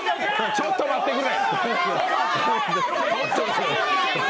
ちょっと待ってくれ。